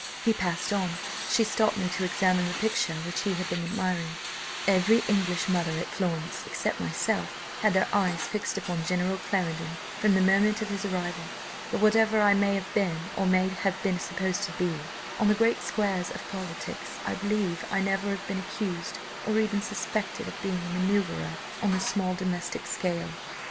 He passed on, she stopped me to examine the picture which he had been admiring. "Every English mother at Florence, except myself, had their eyes fixed upon General Clarendon from the moment of his arrival. But whatever I may have been, or may have been supposed to be, on the great squares of politics, I believe I never have been accused or even suspected of being a manoeuvrer on the small domestic scale.